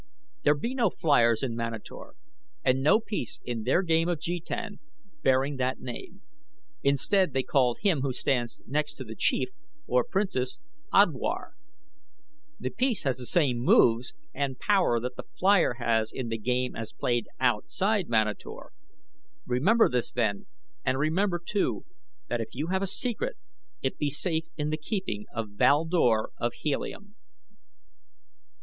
There be no Fliers in Manator and no piece in their game of Jetan bearing that name. Instead they call him who stands next to the Chief or Princess, Odwar. The piece has the same moves and power that the Flier has in the game as played outside Manator. Remember this then and remember, too, that if you have a secret it be safe in the keeping of Val Dor of Helium."